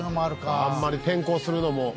あんまり転校するのも。